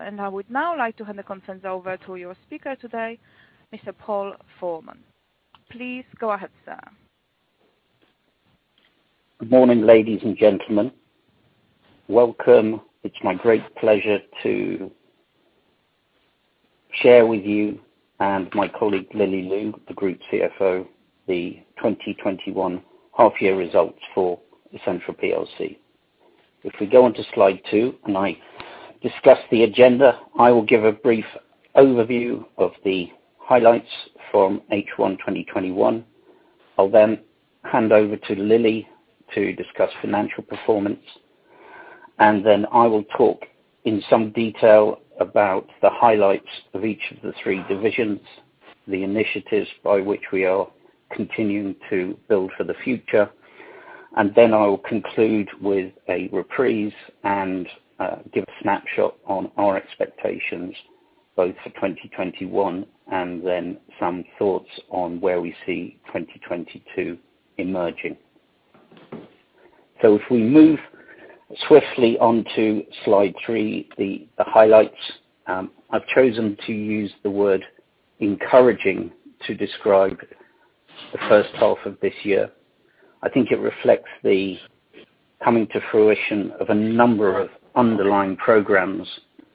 I would now like to hand the conference over to your speaker today, Mr. Paul Forman. Please go ahead, sir. Good morning, ladies and gentlemen. Welcome. It's my great pleasure to share with you and my colleague, Lily Liu, the Group CFO, the 2021 half-year results for Essentra plc. If we go onto slide 2 and I discuss the agenda, I will give a brief overview of the highlights from H1 2021. I'll then hand over to Lily to discuss financial performance, and then I will talk in some detail about the highlights of each of the 3 divisions, the initiatives by which we are continuing to build for the future. Then I will conclude with a reprise and give a snapshot on our expectations both for 2021 and then some thoughts on where we see 2022 emerging. If we move swiftly onto slide 3, the highlights. I've chosen to use the word encouraging to describe the first half of this year. I think it reflects the coming to fruition of a number of underlying programs,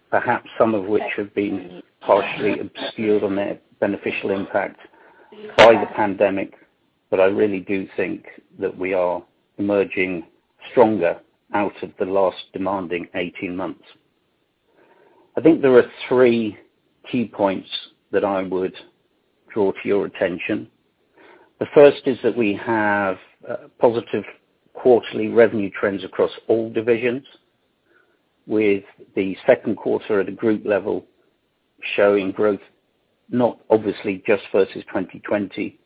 perhaps some of which have been partially obscured on their beneficial impact by the pandemic, but I really do think that we are emerging stronger out of the last demanding 18 months. I think there are 3 key points that I would draw to your attention. The first is that we have positive quarterly revenue trends across all divisions. With the second quarter at a group level showing growth, not obviously just versus 2020,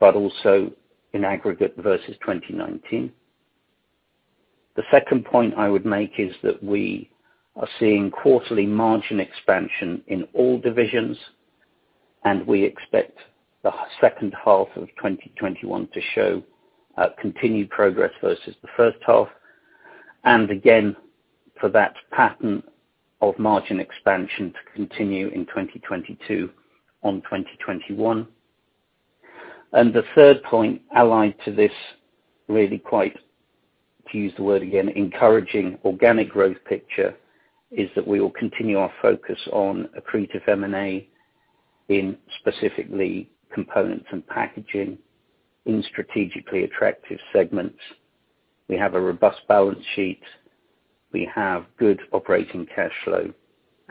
but also in aggregate versus 2019. The second point I would make is that we are seeing quarterly margin expansion in all divisions, and we expect the second half of 2021 to show continued progress versus the first half, and again, for that pattern of margin expansion to continue in 2022 on 2021. The third point allied to this really quite, to use the word again, encouraging organic growth picture, is that we will continue our focus on accretive M&A in specifically components and packaging in strategically attractive segments. We have a robust balance sheet, we have good operating cash flow,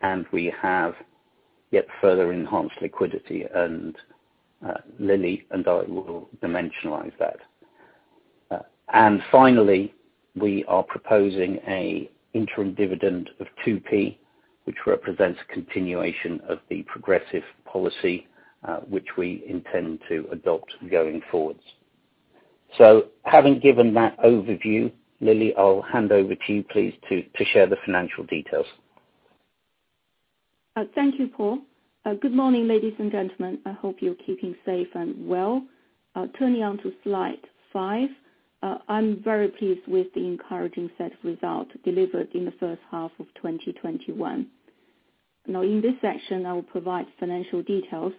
and we have yet further enhanced liquidity. Lily and I will dimensionalize that. Finally, we are proposing a interim dividend of 0.02, which represents continuation of the progressive policy, which we intend to adopt going forwards. Having given that overview, Lily, I'll hand over to you, please, to share the financial details. Thank you, Paul. Good morning, ladies and gentlemen. I hope you're keeping safe and well. Turning onto slide 5. I am very pleased with the encouraging set of results delivered in the first half of 2021. In this section, I will provide financial details,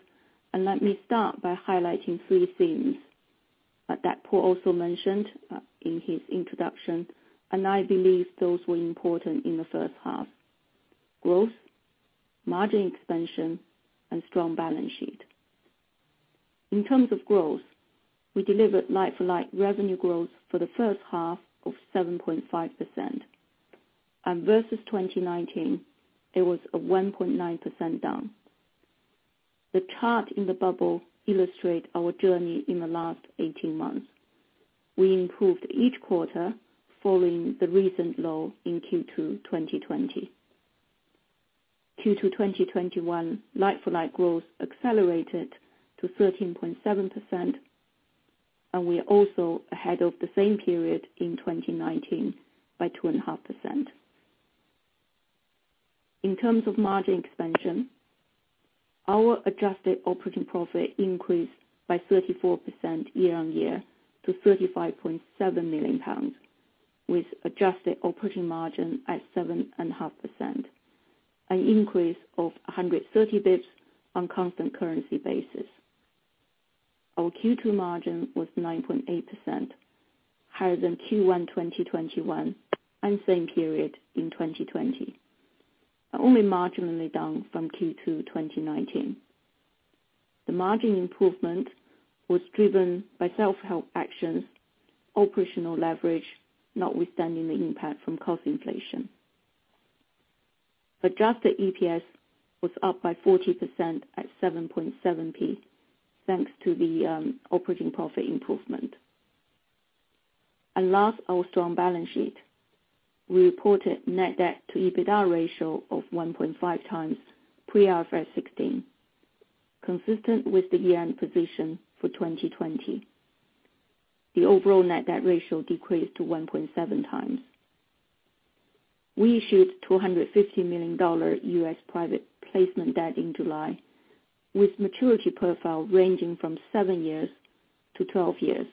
and let me start by highlighting 3 things that Paul also mentioned in his introduction, and I believe those were important in the first half. Growth, margin expansion, and strong balance sheet. In terms of growth, we delivered like-for-like revenue growth for the first half of 7.5%. Versus 2019, it was a 1.9% down. The chart in the bubble illustrate our journey in the last 18 months. We improved each quarter following the recent low in Q2 2020. Q2 2021 like-for-like growth accelerated to 13.7%, and we are also ahead of the same period in 2019 by 2.5%. In terms of margin expansion, our adjusted operating profit increased by 34% year-on-year to 35.7 million pounds, with adjusted operating margin at 7.5%, an increase of 130 basis points on constant currency basis. Our Q2 margin was 9.8%, higher than Q1 2021 and same period in 2020. Only marginally down from Q2 2019. The margin improvement was driven by self-help actions, operational leverage, notwithstanding the impact from cost inflation. Adjusted EPS was up by 40% at 7.7 thanks to the operating profit improvement. Last, our strong balance sheet. We reported net debt to EBITDA ratio of 1.5 times pre-IFRS 16, consistent with the year-end position for 2020. The overall net debt ratio decreased to 1.7 times. We issued $250 million U.S. private placement debt in July, with maturity profile ranging from 7 years to 12 years.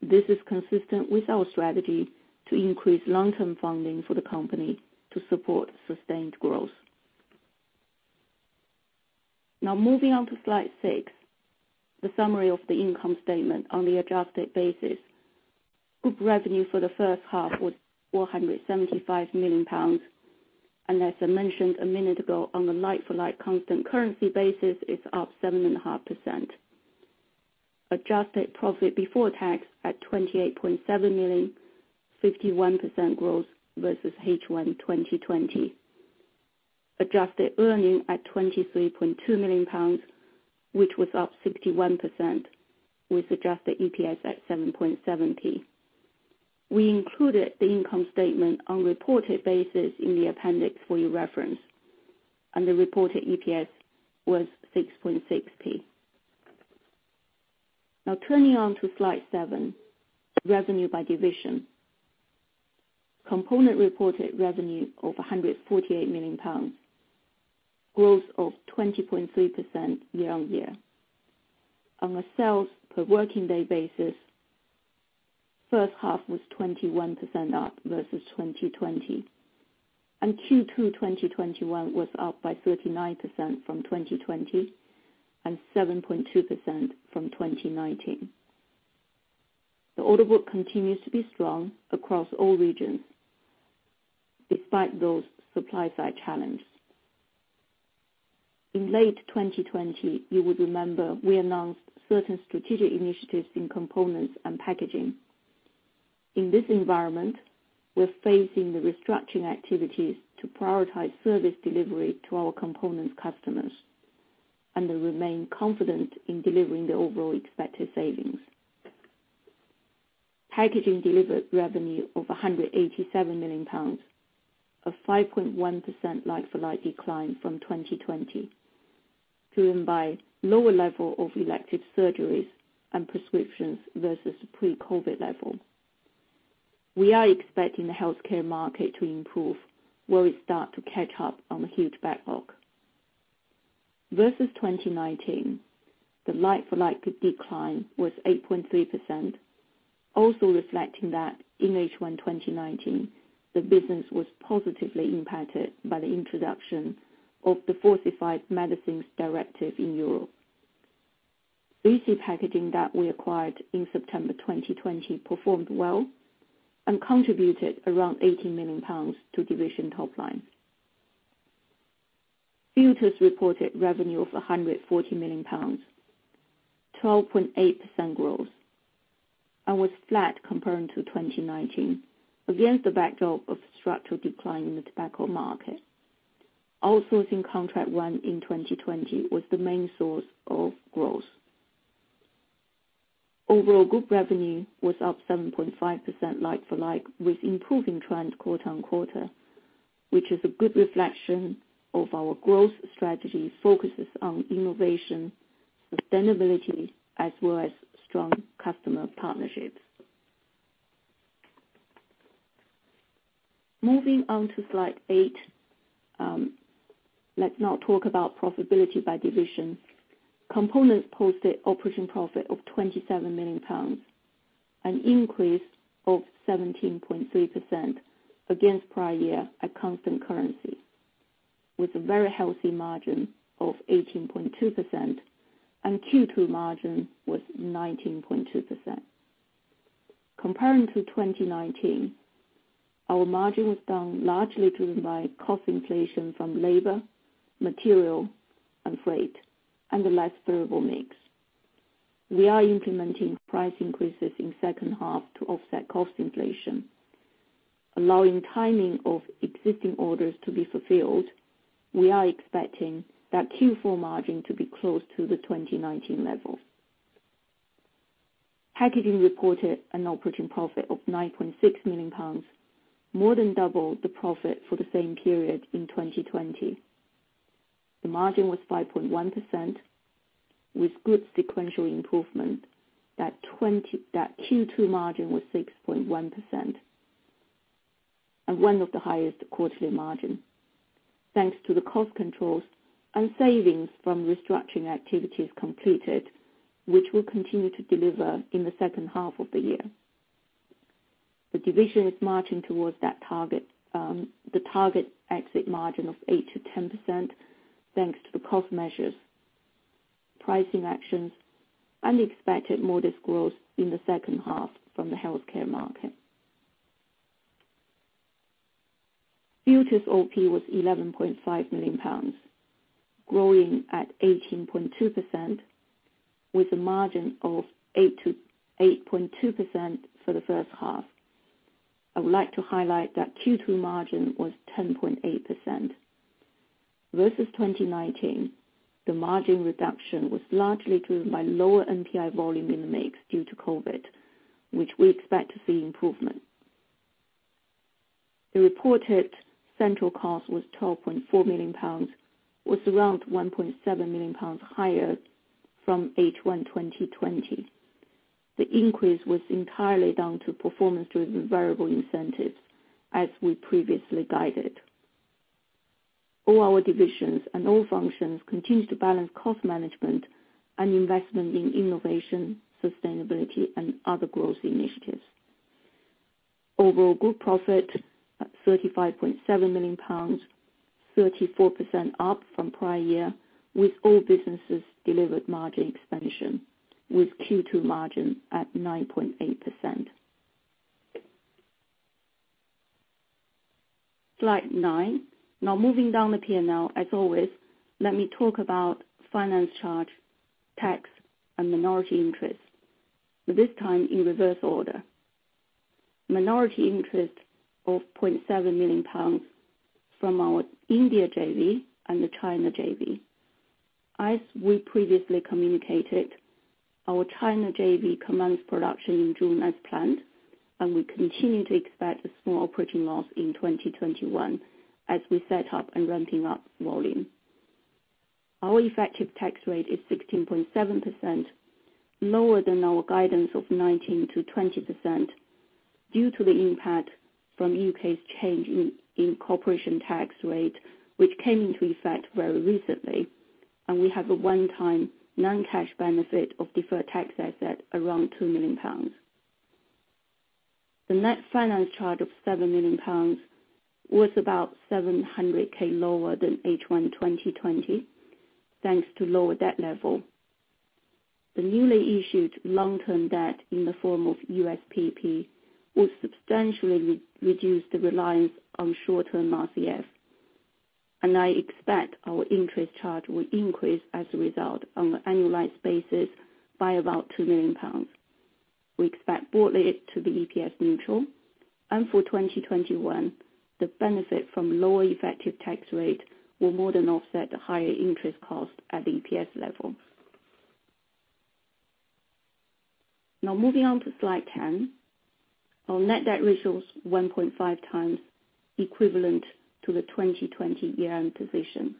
This is consistent with our strategy to increase long-term funding for the company to support sustained growth. Moving on to slide 6, the summary of the income statement on the adjusted basis. Group revenue for the first half was 475 million pounds. As I mentioned a minute ago, on the like-for-like constant currency basis, it's up 7.5%. Adjusted profit before tax at 28.7 million, 51% growth versus H1 2020. Adjusted earning at 23.2 million pounds, which was up 61%, with adjusted EPS at 7.7p. We included the income statement on reported basis in the appendix for your reference. The reported EPS was 6.6p. Turning on to slide 7, revenue by division. Component reported revenue of GBP 148 million, growth of 20.3% year-on-year. On a sales per working day basis, first half was 21% up versus 2020. Q2 2021 was up by 39% from 2020 and 7.2% from 2019. The order book continues to be strong across all regions, despite those supply-side challenge. In late 2020, you would remember we announced certain strategic initiatives in components and packaging. In this environment, we're facing the restructuring activities to prioritize service delivery to our components customers. They remain confident in delivering the overall expected savings. Packaging delivered revenue of 187 million pounds, a 5.1% like-for-like decline from 2020 driven by lower level of elective surgeries and prescriptions versus pre-COVID level. We are expecting the healthcare market to improve, where we start to catch up on the huge backlog. The like-for-like decline was 8.3%, also reflecting that in H1 2019, the business was positively impacted by the introduction of the Falsified Medicines Directive in Europe. 3C Packaging that we acquired in September 2020 performed well and contributed around 18 million pounds to division top line. Filters reported revenue of 140 million pounds, 12.8% growth, and was flat comparing to 2019 against the backdrop of structural decline in the tobacco market. Outsourcing contract won in 2020 was the main source of growth. Group revenue was up 7.5% like-for-like with improving trend quarter-on-quarter, which is a good reflection of our growth strategy focuses on innovation, sustainability, as well as strong customer partnerships. Moving on to slide 8. Let's now talk about profitability by division. Components posted operating profit of £27 million, an increase of 17.3% against prior year at constant currency, with a very healthy margin of 18.2%. Q2 margin was 19.2%. Comparing to 2019, our margin was down largely driven by cost inflation from labor, material and freight, and a less favorable mix. We are implementing price increases in second half to offset cost inflation, allowing timing of existing orders to be fulfilled. We are expecting that Q4 margin to be close to the 2019 level. Packaging reported an operating profit of £9.6 million, more than double the profit for the same period in 2020. The margin was 5.1% with good sequential improvement. That Q2 margin was 6.1%. One of the highest quarterly margin thanks to the cost controls and savings from restructuring activities completed, which will continue to deliver in the second half of the year. The division is marching towards the target exit margin of 8%-10% thanks to the cost measures, pricing actions and expected modest growth in the second half from the healthcare market. Filters OP was 11.5 million pounds, growing at 18.2% with a margin of 8.2% for the first half. I would like to highlight that Q2 margin was 10.8%. Versus 2019, the margin reduction was largely driven by lower NPI volume in the mix due to COVID, which we expect to see improvement. The reported central cost was 12.4 million pounds, was around 1.7 million pounds higher from H1 2020. The increase was entirely down to performance-driven variable incentives as we previously guided. All our divisions and all functions continue to balance cost management and investment in innovation, sustainability, and other growth initiatives. Overall group profit at £35.7 million, 34% up from prior year, with all businesses delivered margin expansion, with Q2 margins at 9.8%. Slide 9. Moving down the P&L, as always, let me talk about finance charge, tax, and minority interest, but this time in reverse order. Minority interest of £0.7 million from our India JV and the China JV. As we previously communicated, our China JV commenced production in June as planned, and we continue to expect a small operating loss in 2021 as we set up and ramping up volume. Our effective tax rate is 16.7%, lower than our guidance of 19%-20% due to the impact from U.K.'s change in corporation tax rate, which came into effect very recently, and we have a one-time non-cash benefit of deferred tax asset around £2 million. The net finance charge of £7 million was about £700K lower than H1 2020, thanks to lower debt level. The newly issued long-term debt in the form of USPP will substantially reduce the reliance on short-term RCF, and I expect our interest charge will increase as a result on an annualized basis by about £2 million. We expect broadly it to be EPS neutral, and for 2021, the benefit from lower effective tax rate will more than offset the higher interest cost at EPS level. Now, moving on to slide 10. Our net debt ratio is 1.5 times equivalent to the 2020 year-end position.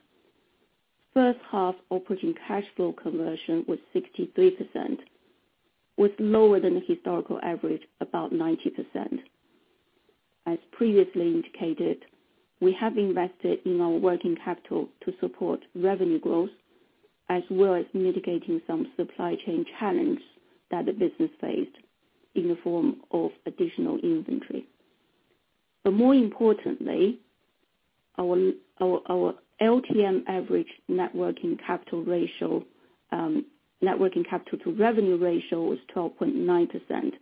First half operating cash flow conversion was 63%, was lower than the historical average, about 90%. As previously indicated, we have invested in our working capital to support revenue growth, as well as mitigating some supply chain challenge that the business faced in the form of additional inventory. More importantly, our LTM average net working capital to revenue ratio is 12.9%,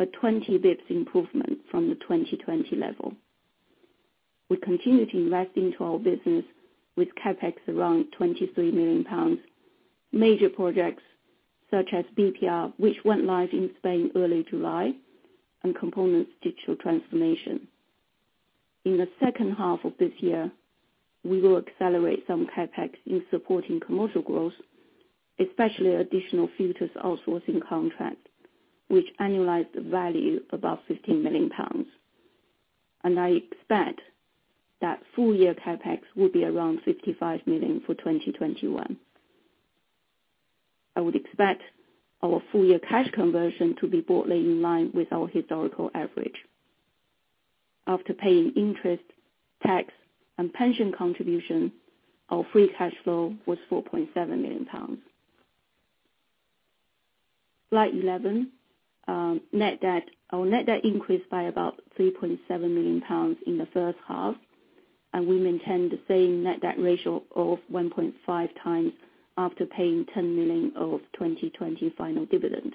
a 20 basis points improvement from the 2020 level. We continue to invest into our business with CapEx around £23 million. Major projects such as BPR, which went live in Spain early July, and components digital transformation. In the second half of this year, we will accelerate some CapEx in supporting commercial growth, especially additional filters outsourcing contract, which annualize the value above £15 million. I expect that full-year CapEx will be around 55 million for 2021. I would expect our full-year cash conversion to be broadly in line with our historical average. After paying interest, tax, and pension contribution, our free cash flow was £4.7 million. Slide 11. Our net debt increased by about £3.7 million in the first half. We maintain the same net debt ratio of 1.5 times after paying 10 million of 2020 final dividend.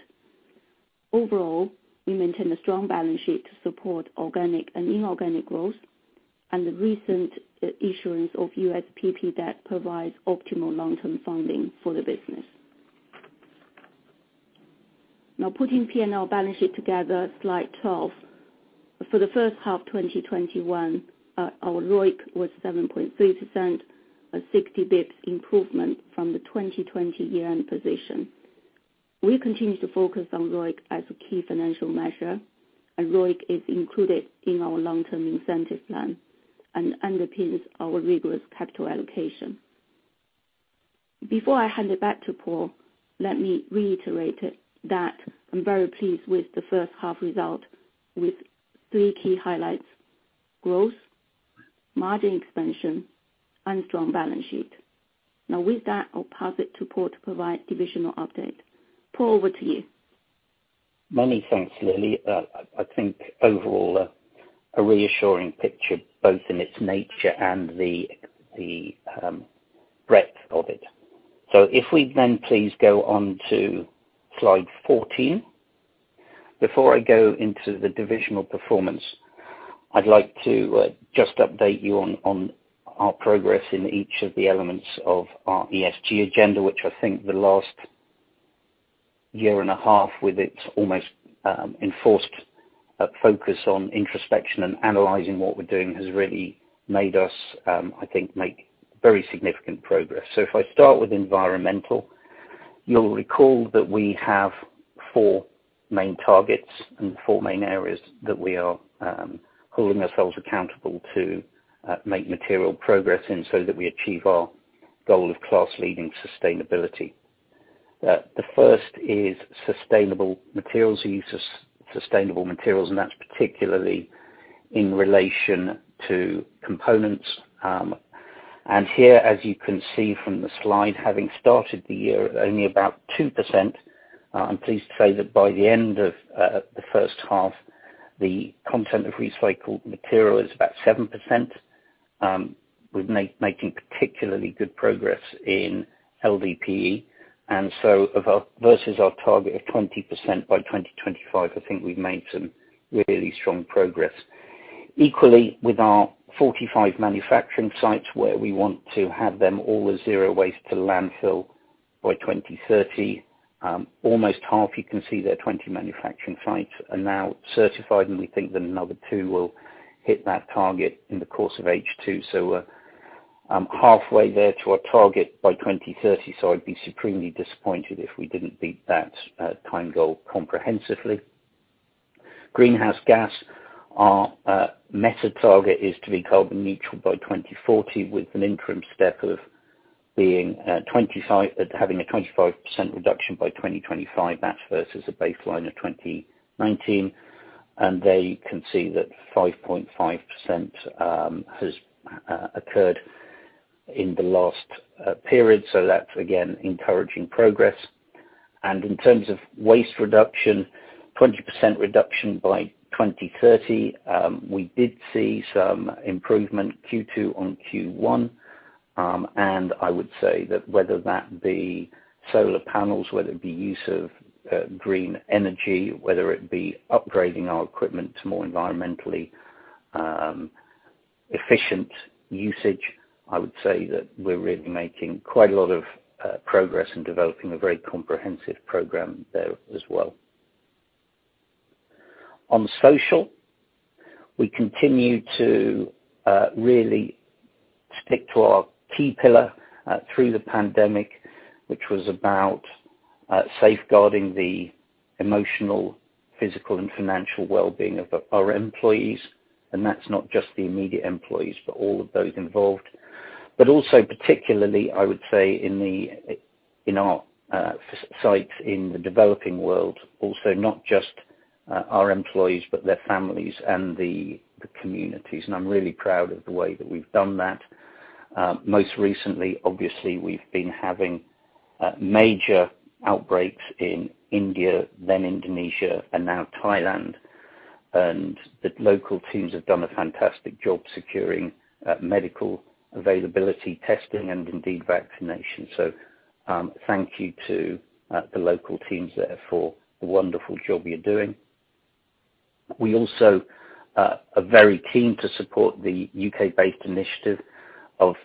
Overall, we maintain a strong balance sheet to support organic and inorganic growth. The recent issuance of USPP debt provides optimal long-term funding for the business. Now, putting P&L balance sheet together, slide 12. For the first half 2021, our ROIC was 7.3%, a 60 basis points improvement from the 2020 year-end position. We continue to focus on ROIC as a key financial measure. ROIC is included in our long-term incentive plan and underpins our rigorous capital allocation. Before I hand it back to Paul, let me reiterate that I'm very pleased with the first half result with three key highlights: growth, margin expansion, and strong balance sheet. Now with that, I'll pass it to Paul to provide divisional update. Paul, over to you. Many thanks, Lily. I think overall, a reassuring picture, both in its nature and the breadth of it. If we then please go on to slide 14. Before I go into the divisional performance, I'd like to just update you on our progress in each of the elements of our ESG agenda, which I think the last year and a half, with its almost enforced focus on introspection and analyzing what we're doing, has really made us, I think, make very significant progress. If I start with environmental, you'll recall that we have four main targets and four main areas that we are holding ourselves accountable to make material progress in so that we achieve our goal of class-leading sustainability. The first is sustainable materials use, sustainable materials, and that's particularly in relation to components. Here, as you can see from the slide, having started the year at only about 2%, I'm pleased to say that by the end of the first half, the content of recycled material is about 7%. We're making particularly good progress in LDPE, and so versus our target of 20% by 2025, I think we've made some really strong progress. Equally, with our 45 manufacturing sites where we want to have them all as zero waste to landfill by 2030. Almost half, you can see there, 20 manufacturing sites are now certified, and we think that another two will hit that target in the course of H2. We're halfway there to our target by 2030, so I'd be supremely disappointed if we didn't beat that time goal comprehensively. Greenhouse gas. Our meta target is to be carbon neutral by 2040, with an interim step of having a 25% reduction by 2025. That's versus a baseline of 2019. There you can see that 5.5% has occurred in the last period. That's, again, encouraging progress. In terms of waste reduction, 20% reduction by 2030. We did see some improvement Q2 on Q1. I would say that whether that be solar panels, whether it be use of green energy, whether it be upgrading our equipment to more environmentally efficient usage, I would say that we're really making quite a lot of progress in developing a very comprehensive program there as well. On social, we continue to really stick to our key pillar through the pandemic, which was about safeguarding the emotional, physical, and financial well-being of our employees. That's not just the immediate employees, but all of those involved. Also particularly, I would say, in our sites in the developing world, also not just our employees, but their families and the communities. I'm really proud of the way that we've done that. Most recently, obviously, we've been having major outbreaks in India, Indonesia, and now Thailand. The local teams have done a fantastic job securing medical availability, testing, and indeed, vaccination. Thank you to the local teams there for the wonderful job you're doing. We also are very keen to support the U.K.-based initiative of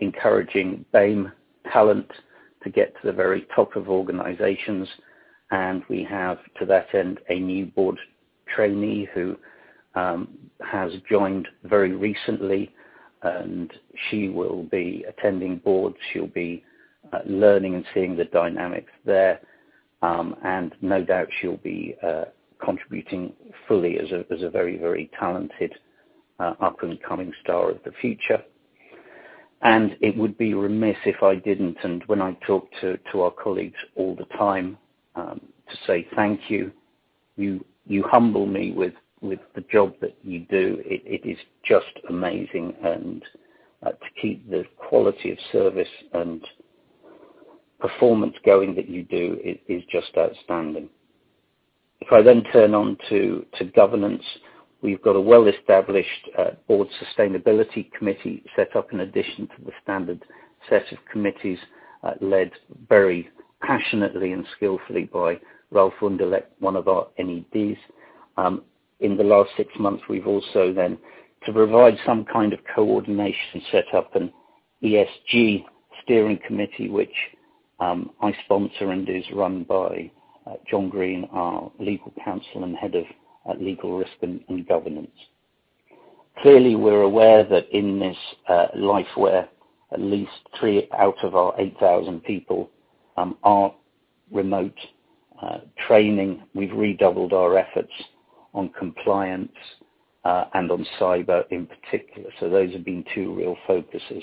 encouraging BAME talent to get to the very top of organizations. We have, to that end, a new board trainee who has joined very recently. She will be attending boards, she'll be learning and seeing the dynamics there. No doubt she'll be contributing fully as a very talented up-and-coming star of the future. It would be remiss if I didn't, and when I talk to our colleagues all the time, to say thank you. You humble me with the job that you do. It is just amazing. To keep the quality of service and performance going that you do is just outstanding. If I then turn on to governance, we've got a well-established board sustainability committee set up in addition to the standard set of committees, led very passionately and skillfully by Ralf K. Wunderlich, one of our NEDs. In the last six months, we've also then, to provide some kind of coordination, set up an ESG steering committee, which I sponsor and is run by Jon Green, our legal counsel and head of legal risk and governance. Clearly, we're aware that in this life where at least 3 out of our 8,000 people are remote training, we've redoubled our efforts on compliance and on cyber in particular. Those have been 2 real focuses.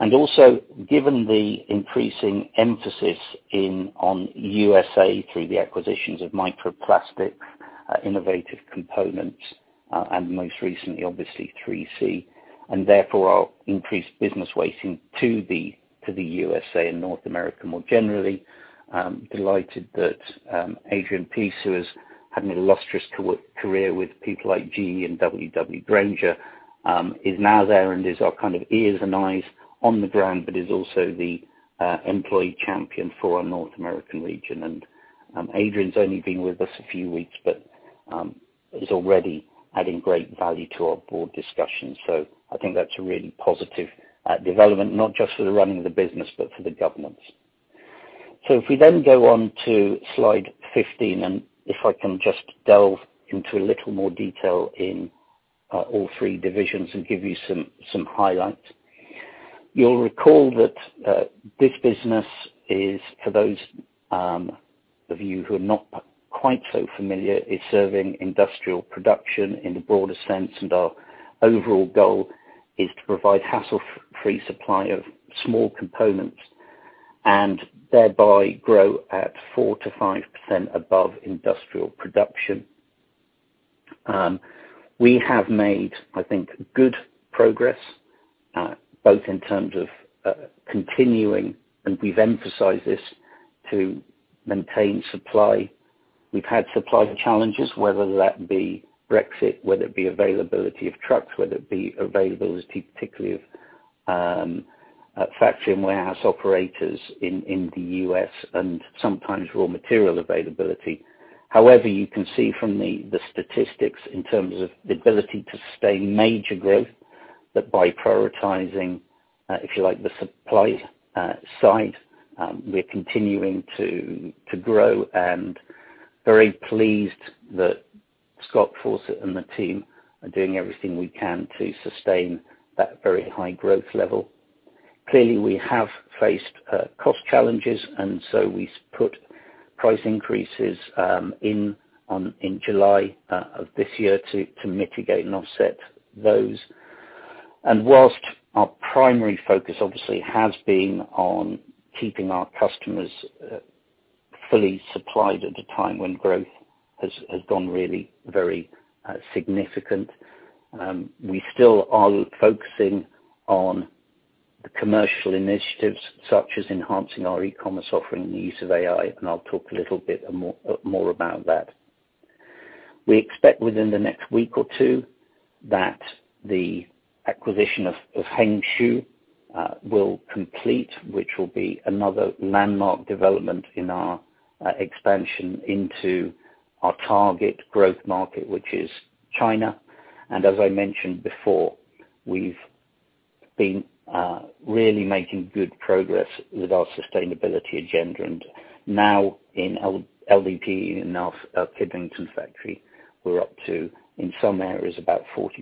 Also, given the increasing emphasis on U.S.A. through the acquisitions of Micro Plastics, Innovative Components, and most recently, obviously, 3C, and therefore our increased business weighting to the U.S.A. and North America more generally, delighted that Adrian Peace, who has had an illustrious career with people like GE and W.W. Grainger, is now there and is our kind of ears and eyes on the ground, but is also the employee champion for our North American region. Adrian's only been with us a few weeks, but is already adding great value to our board discussions. I think that's a really positive development, not just for the running of the business, but for the governance. If we then go on to slide 15, and if I can just delve into a little more detail in all three divisions and give you some highlights. You'll recall that this business is for those of you who are not quite so familiar, is serving industrial production in the broader sense, and our overall goal is to provide hassle-free supply of small components, and thereby grow at 4%-5% above industrial production. We have made, I think, good progress, both in terms of continuing, and we've emphasized this, to maintain supply. We've had supply challenges, whether that be Brexit, whether it be availability of trucks, whether it be availability particularly of factory and warehouse operators in the U.S., and sometimes raw material availability. However, you can see from the statistics in terms of the ability to sustain major growth, that by prioritizing, if you like, the supply side, we're continuing to grow and very pleased that Scott Fawcett and the team are doing everything we can to sustain that very high growth level. Clearly, we have faced cost challenges, so we put price increases in July of this year to mitigate and offset those. Whilst our primary focus obviously has been on keeping our customers fully supplied at a time when growth has gone really very significant, we still are focusing on the commercial initiatives such as enhancing our e-commerce offering and the use of AI, and I'll talk a little bit more about that. We expect within the next one or two weeks that the acquisition of Hengzhu will complete, which will be another landmark development in our expansion into our target growth market, which is China. As I mentioned before, we've been really making good progress with our sustainability agenda. Now in LDPE, in our Kidlington factory, we're up to, in some areas, about 40%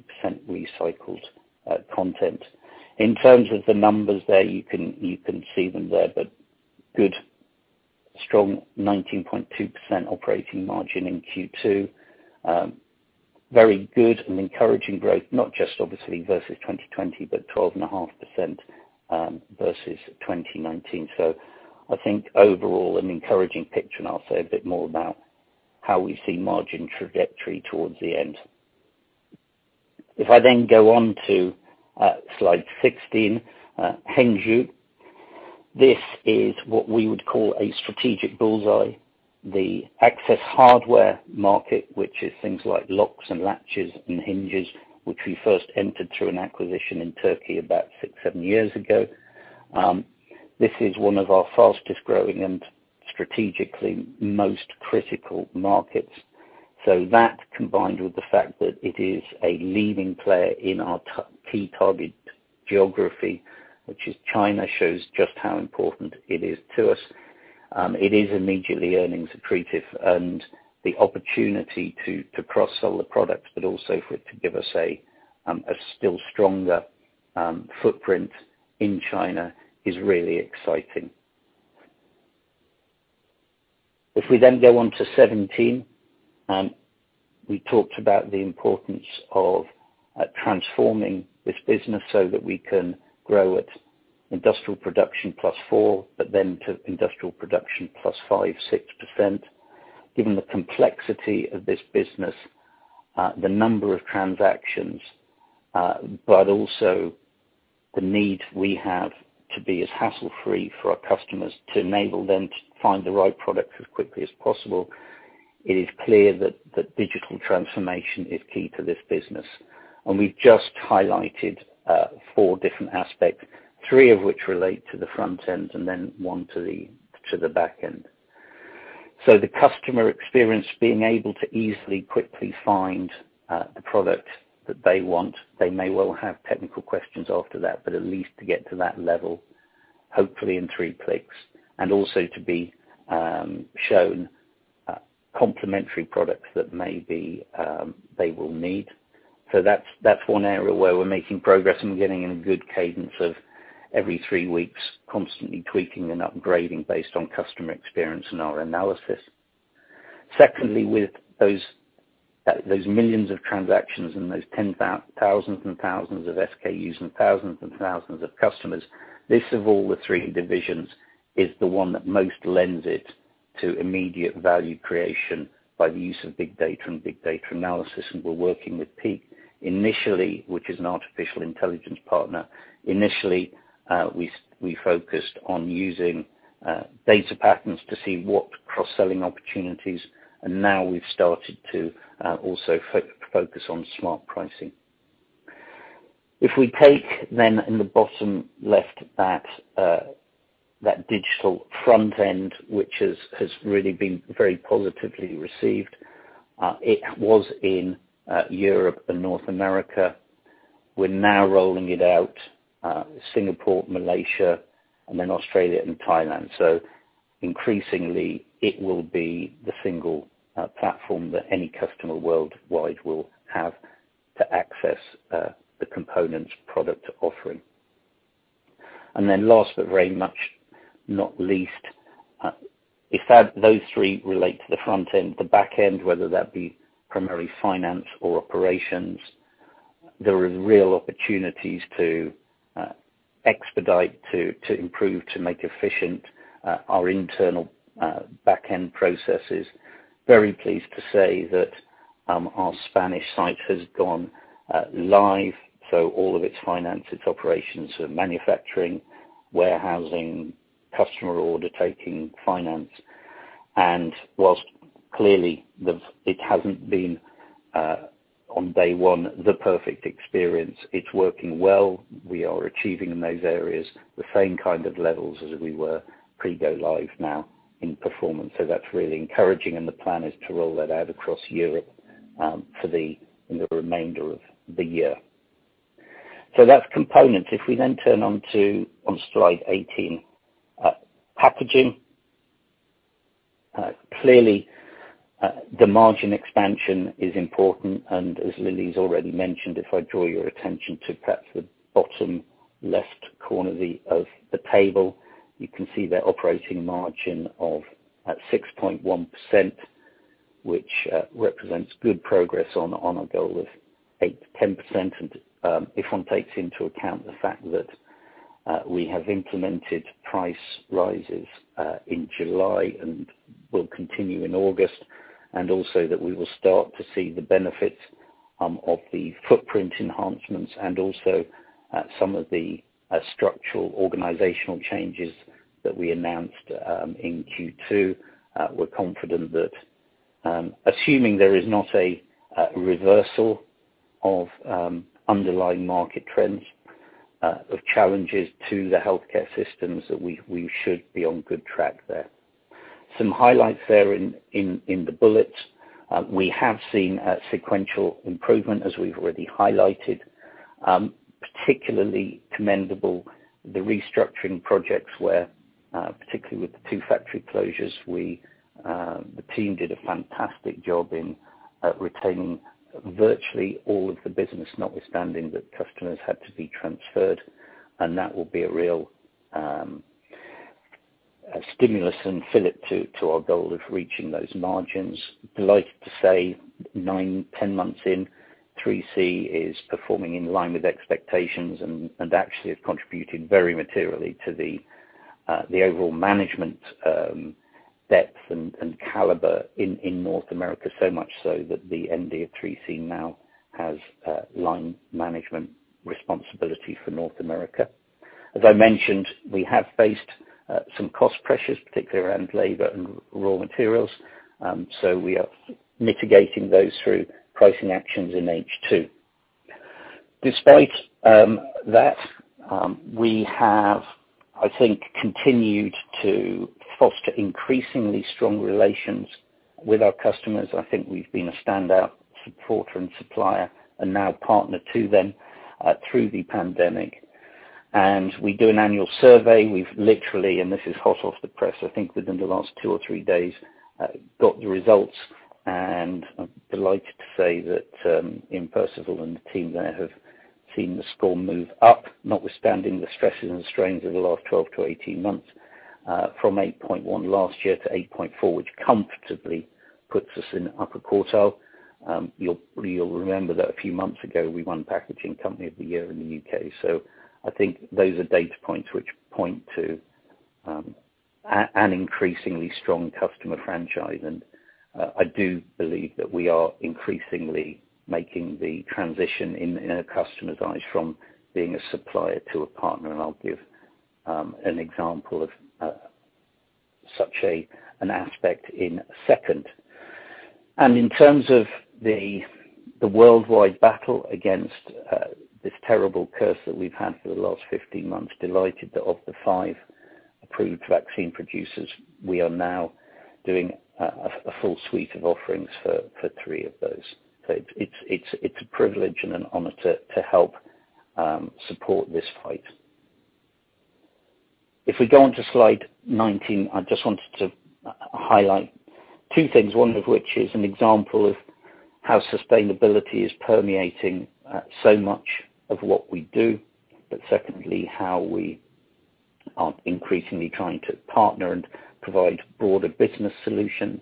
recycled content. In terms of the numbers there, you can see them there, good, strong 19.2% operating margin in Q2. Very good and encouraging growth, not just obviously versus 2020, 12.5% versus 2019. I think overall an encouraging picture, I'll say a bit more about how we see margin trajectory towards the end. If I then go on to slide 16, Hengzhu. This is what we would call a strategic bullseye. The access hardware market, which is things like locks and latches and hinges, which we first entered through an acquisition in Turkey about six, seven years ago. This is one of our fastest-growing and strategically most critical markets. That, combined with the fact that it is a leading player in our key target geography, which is China, shows just how important it is to us. The opportunity to cross-sell the product, but also for it to give us a still stronger footprint in China, is really exciting. We then go on to 17, we talked about the importance of transforming this business so that we can grow at industrial production plus 4%, but then to industrial production plus 5%, 6%, given the complexity of this business, the number of transactions, but also the need we have to be as hassle-free for our customers to enable them to find the right product as quickly as possible. It is clear that digital transformation is key to this business, we've just highlighted four different aspects, three of which relate to the front end and then one to the back end. The customer experience, being able to easily, quickly find the product that they want. They may well have technical questions after that, but at least to get to that level, hopefully in three clicks. Also to be shown complementary products that maybe they will need. That's one area where we're making progress and we're getting in a good cadence of every three weeks, constantly tweaking and upgrading based on customer experience and our analysis. Secondly, with those millions of transactions and those tens of thousands and thousands of SKUs and thousands and thousands of customers, this, of all the 3 divisions, is the 1 that most lends it to immediate value creation by the use of big data and big data analysis. We're working with Peak initially, which is an artificial intelligence partner. Initially, we focused on using data patterns to see what cross-selling opportunities, and now we've started to also focus on smart pricing. If we take then in the bottom left that digital front end, which has really been very positively received. It was in Europe and North America. We're now rolling it out Singapore, Malaysia, and then Australia and Thailand. Increasingly it will be the single platform that any customer worldwide will have to access the components product offering. Last but very much not least, if those three relate to the front end, the back end, whether that be primarily finance or operations, there are real opportunities to expedite, to improve, to make efficient our internal back end processes. Very pleased to say that our Spanish site has gone live, so all of its finances, operations, so manufacturing, warehousing, customer order taking, finance. Whilst clearly it hasn't been on day one, the perfect experience, it's working well. We are achieving in those areas the same kind of levels as we were pre-go live now in performance. That's really encouraging and the plan is to roll that out across Europe for the remainder of the year. That's components. If we turn onto slide 18. Packaging. Clearly, the margin expansion is important and as Lily's already mentioned, if I draw your attention to perhaps the bottom left corner of the table, you can see their operating margin of at 6.1%, which represents good progress on our goal of 8% to 10%. If one takes into account the fact that we have implemented price rises in July and will continue in August, and also that we will start to see the benefit of the footprint enhancements and also some of the structural organizational changes that we announced in Q2, we're confident that assuming there is not a reversal of underlying market trends of challenges to the healthcare systems, that we should be on good track there. Some highlights there in the bullets. We have seen a sequential improvement as we've already highlighted. Particularly commendable the restructuring projects where, particularly with the 2 factory closures, the team did a fantastic job in retaining virtually all of the business, notwithstanding that customers had to be transferred, and that will be a real stimulus and fill it to our goal of reaching those margins. Delighted to say 9, 10 months in, 3C is performing in line with expectations and actually have contributed very materially to the overall management depth and caliber in North America, so much so that the MD of 3C now has line management responsibility for North America. As I mentioned, we have faced some cost pressures, particularly around labor and raw materials, so we are mitigating those through pricing actions in H2. Despite that, we have, I think, continued to foster increasingly strong relations with our customers. I think we've been a standout supporter and supplier and now partner to them through the pandemic. We do an annual survey. We've literally, and this is hot off the press, I think within the last 2 or 3 days, got the results and I'm delighted to say that lain Percival and the team there have seen the score move up, notwithstanding the stresses and strains of the last 12-18 months, from 8.1 last year to 8.4, which comfortably puts us in the upper quartile. You'll remember that a few months ago, we won Packaging Company of the Year in the U.K. I think those are data points which point to an increasingly strong customer franchise. I do believe that we are increasingly making the transition in a customer's eyes from being a supplier to a partner. I'll give an example of such an aspect in a second. In terms of the worldwide battle against this terrible curse that we've had for the last 15 months, delighted that of the 5 approved vaccine producers, we are now doing a full suite of offerings for 3 of those. It's a privilege and an honor to help support this fight. If we go onto slide 19, I just wanted to highlight 2 things, 1 of which is an example of how sustainability is permeating so much of what we do, but secondly, how we are increasingly trying to partner and provide broader business solutions.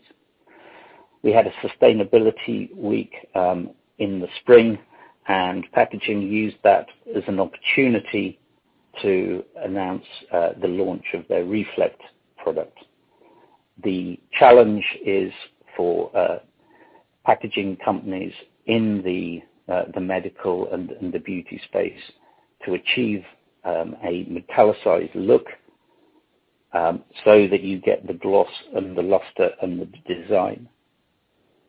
We had a sustainability week in the spring, packaging used that as an opportunity to announce the launch of their Reflect product. The challenge is for packaging companies in the medical and the beauty space to achieve a metallicized look so that you get the gloss and the luster and the design,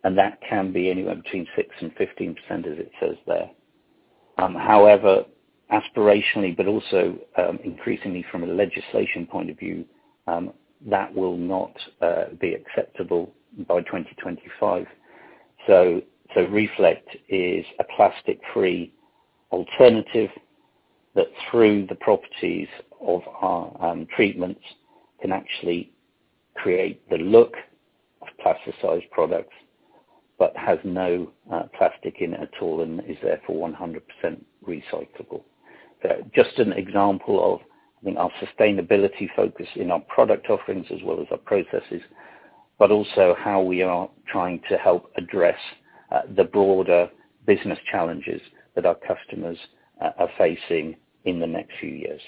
and that can be anywhere between 6% and 15%, as it says there. Aspirationally, but also increasingly from a legislation point of view, that will not be acceptable by 2025. Reflect is a plastic-free alternative that through the properties of our treatments can actually create the look plasticized products, but has no plastic in it at all and is therefore 100% recyclable. Just an example of our sustainability focus in our product offerings as well as our processes, but also how we are trying to help address the broader business challenges that our customers are facing in the next few years.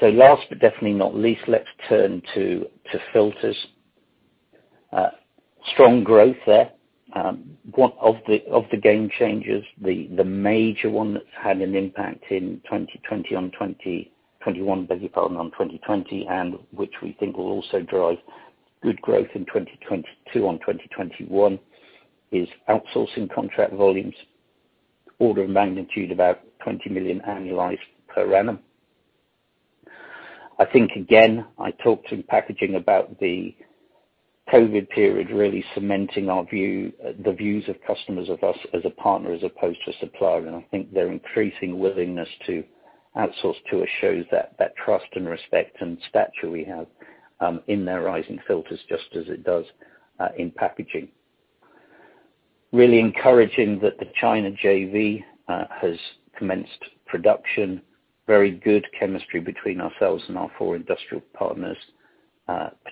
Last but definitely not least, let's turn to filters. Strong growth there. One of the game changers, the major one that's had an impact in 2020 on 2021, beg your pardon, on 2020, and which we think will also drive good growth in 2022 on 2021, is outsourcing contract volumes, order of magnitude about 20 million annualized per annum. I think, again, I talked in packaging about the COVID period really cementing the views of customers of us as a partner as opposed to supplier, and I think their increasing willingness to outsource to us shows that trust and respect and stature we have in their eyes in filters just as it does in packaging. Really encouraging that the China JV has commenced production. Very good chemistry between ourselves and our four industrial partners,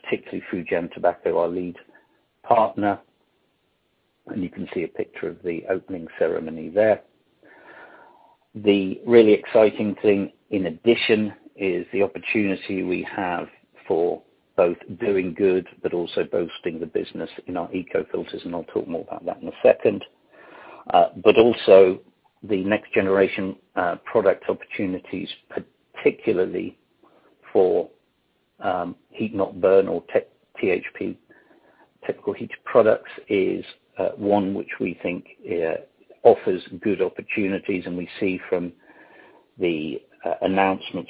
particularly Fujian Tobacco, our lead partner. You can see a picture of the opening ceremony there. The really exciting thing, in addition, is the opportunity we have for both doing good but also boosting the business in our ECO Filters, and I'll talk more about that in a second. Also the next generation product opportunities, particularly for Heat-not-burn or THP, technical heat products, is one which we think offers good opportunities. We see from the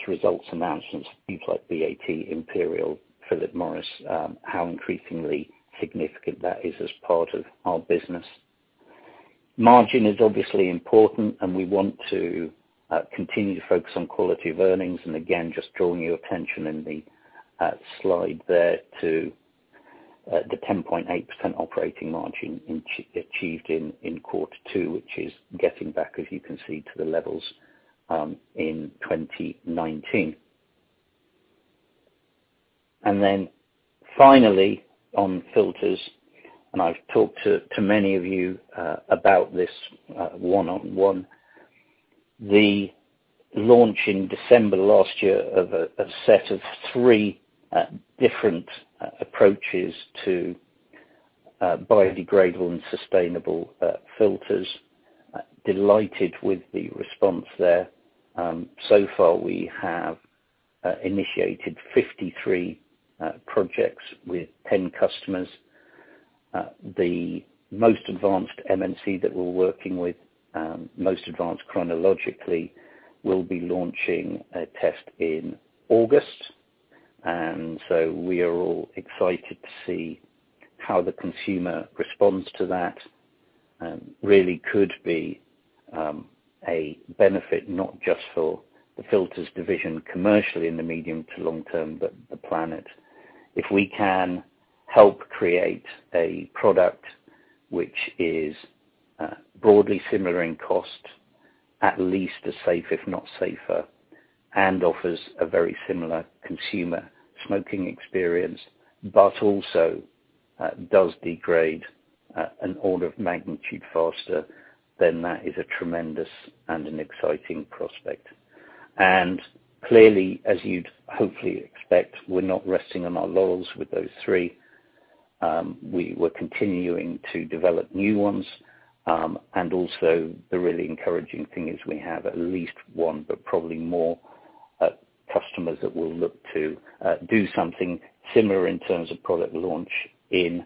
results announcements from people like BAT, Imperial, Philip Morris, how increasingly significant that is as part of our business. Margin is obviously important, and we want to continue to focus on quality of earnings. Again, just drawing your attention in the slide there to the 10.8% operating margin achieved in quarter two, which is getting back, as you can see, to the levels in 2019. Finally on filters, and I've talked to many of you about this one on one, the launch in December last year of a set of three different approaches to biodegradable and sustainable filters. Delighted with the response there. So far, we have initiated 53 projects with 10 customers. The most advanced MNC that we're working with, most advanced chronologically, will be launching a test in August. We are all excited to see how the consumer responds to that. Really could be a benefit not just for the filters division commercially in the medium to long term, but the planet. If we can help create a product which is broadly similar in cost, at least as safe if not safer, and offers a very similar consumer smoking experience, but also does degrade an order of magnitude faster. That is a tremendous and an exciting prospect. Clearly, as you'd hopefully expect, we're not resting on our laurels with those three. We were continuing to develop new ones, and also the really encouraging thing is we have at least one, but probably more, customers that will look to do something similar in terms of product launch in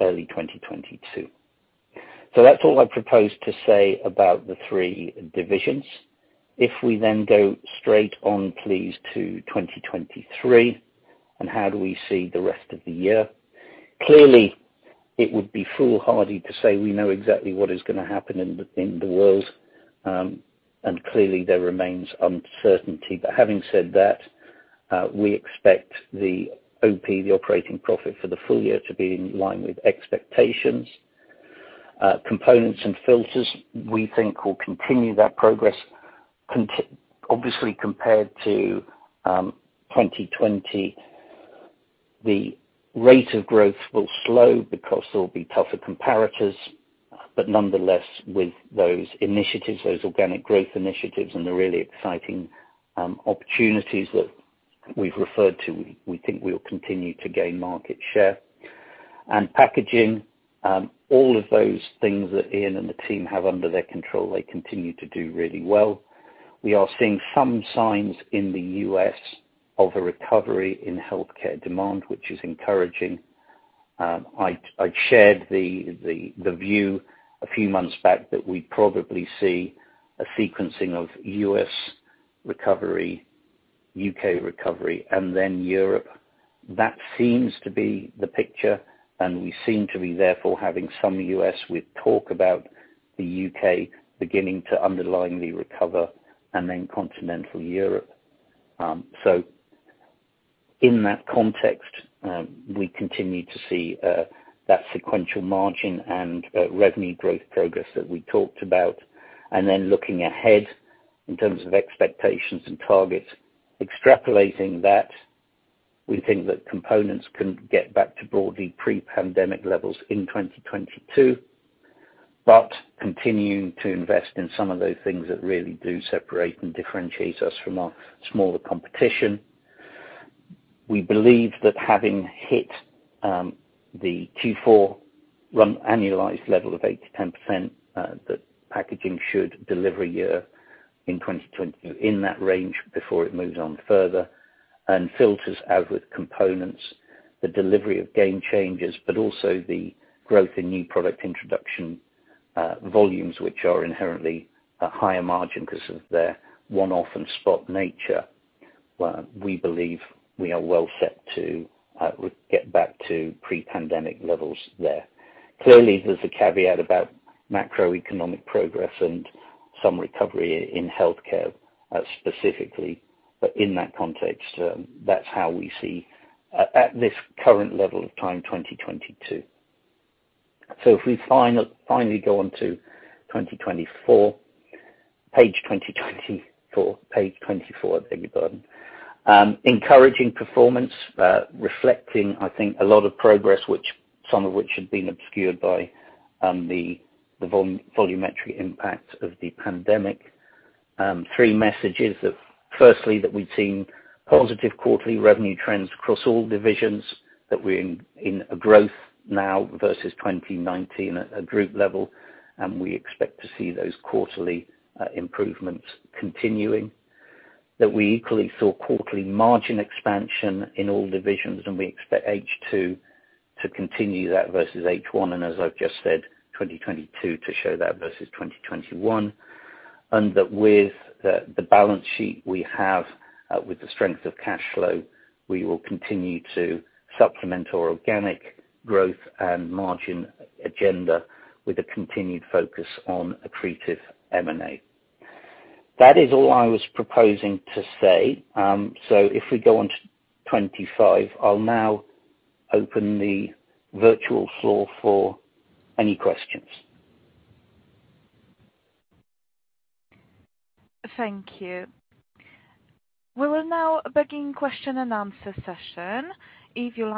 early 2022. That's all I propose to say about the three divisions. If we go straight on, please, to 2023, and how do we see the rest of the year? Clearly, it would be foolhardy to say we know exactly what is going to happen in the world. Clearly there remains uncertainty. Having said that, we expect the OP, the operating profit, for the full year to be in line with expectations. Components and filters, we think will continue that progress. Obviously, compared to 2020, the rate of growth will slow because there will be tougher comparators. Nonetheless, with those initiatives, those organic growth initiatives, and the really exciting opportunities that we've referred to, we think we will continue to gain market share. Packaging, all of those things that Ian and the team have under their control, they continue to do really well. We are seeing some signs in the U.S. of a recovery in healthcare demand, which is encouraging. I shared the view a few months back that we'd probably see a sequencing of U.S. recovery, U.K. recovery, and then Europe. That seems to be the picture, and we seem to be therefore having some U.S., with talk about the U.K. beginning to underlyingly recover, and then continental Europe. In that context, we continue to see that sequential margin and revenue growth progress that we talked about. Looking ahead in terms of expectations and targets, extrapolating that, we think that components can get back to broadly pre-pandemic levels in 2022, but continuing to invest in some of those things that really do separate and differentiate us from our smaller competition. We believe that having hit the Q4 run annualized level of 8%-10%, that packaging should deliver a year in 2022 in that range before it moves on further. Filters out with components, the delivery of game changes, but also the growth in new product introduction volumes, which are inherently a higher margin because of their one-off and spot nature. We believe we are well set to get back to pre-pandemic levels there. Clearly, there's a caveat about macroeconomic progress and some recovery in healthcare specifically. In that context, that's how we see at this current level of time 2022. If we finally go on to 2024, page 24. I beg your pardon. Encouraging performance, reflecting, I think, a lot of progress, some of which have been obscured by the volumetric impact of the pandemic. Three messages. Firstly, that we've seen positive quarterly revenue trends across all divisions, that we're in a growth now versus 2019 at a group level, and we expect to see those quarterly improvements continuing. We equally saw quarterly margin expansion in all divisions, and we expect H2 to continue that versus H1, and as I've just said, 2022 to show that versus 2021. With the balance sheet we have, with the strength of cash flow, we will continue to supplement our organic growth and margin agenda with a continued focus on accretive M&A. That is all I was proposing to say. If we go on to 25, I'll now open the virtual floor for any questions. Thank you. We will now begin question and answer session. Your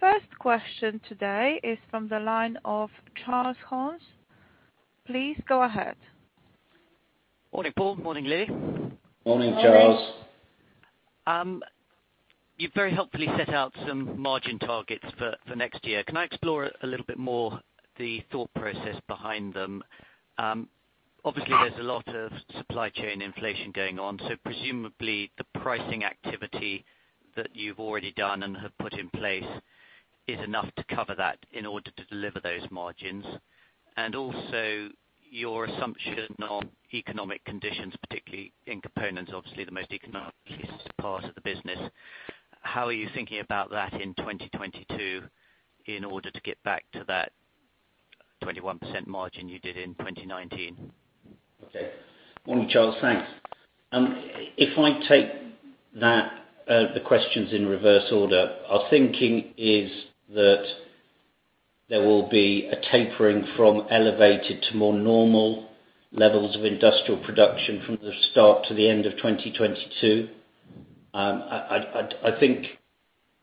first question today is from the line of Charles Horn. Please go ahead. Morning, Paul. Morning, Lily. Morning, Charles. You very helpfully set out some margin targets for next year. Can I explore a little bit more the thought process behind them? Obviously, there's a lot of supply chain inflation going on, so presumably the pricing activity that you've already done and have put in place is enough to cover that in order to deliver those margins. Also your assumption on economic conditions, particularly in components, obviously the most economically sensitive part of the business. How are you thinking about that in 2022 in order to get back to that 21% margin you did in 2019? Okay. Morning, Charles. Thanks. If I take the questions in reverse order, our thinking is that there will be a tapering from elevated to more normal levels of industrial production from the start to the end of 2022. I think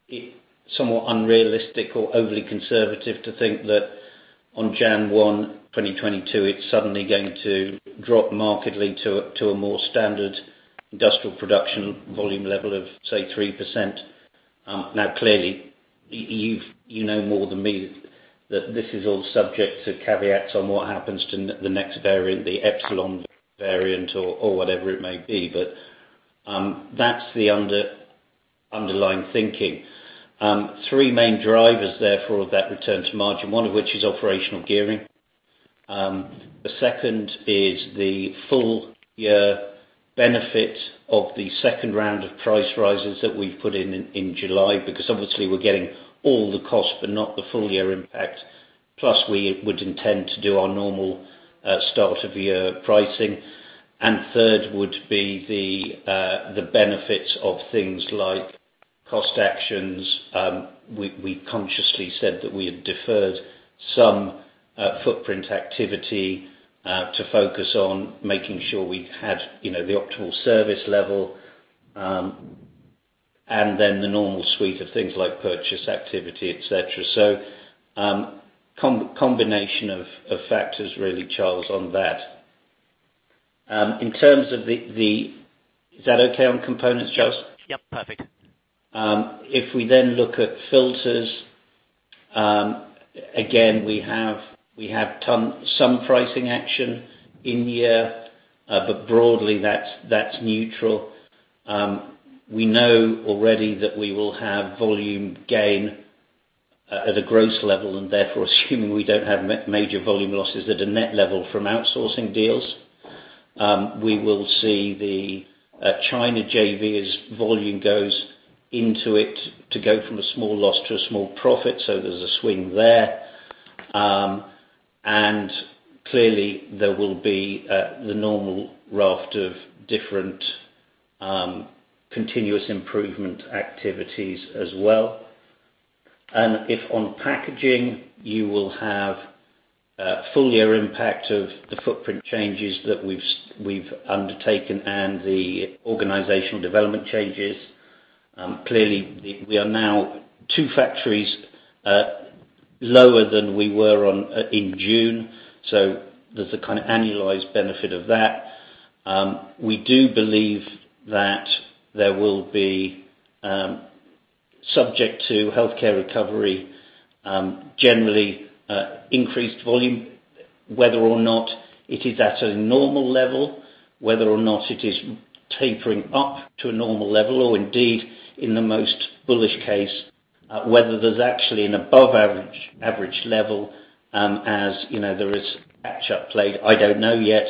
it somewhat unrealistic or overly conservative to think that on January 1, 2022, it's suddenly going to drop markedly to a more standard industrial production volume level of, say, 3%. Now, clearly, you know more than me that this is all subject to caveats on what happens to the next variant, the Epsilon variant, or whatever it may be. That's the underlying thinking. three main drivers, therefore, of that return to margin, one of which is operational gearing. The second is the full year benefit of the second round of price rises that we put in in July, because obviously we're getting all the cost, but not the full year impact. We would intend to do our normal start of year pricing. Third would be the benefits of things like cost actions. We consciously said that we had deferred some footprint activity to focus on making sure we had the optimal service level, and then the normal suite of things like purchase activity, et cetera. Combination of factors really, Charles, on that. Is that okay on components, Charles? Yep, perfect. If we look at filters. Again, we have some pricing action in the year, but broadly that's neutral. We know already that we will have volume gain at a gross level, and therefore assuming we don't have major volume losses at a net level from outsourcing deals, we will see the China JV as volume goes into it to go from a small loss to a small profit. There's a swing there. Clearly there will be the normal raft of different continuous improvement activities as well. If on packaging, you will have full year impact of the footprint changes that we've undertaken and the organizational development changes. Clearly, we are now 2 factories lower than we were in June, so there's a kind of annualized benefit of that. We do believe that there will be subject to healthcare recovery, generally increased volume, whether or not it is at a normal level, whether or not it is tapering up to a normal level or indeed in the most bullish case, whether there's actually an above average level, as there is catch-up play, I don't know yet.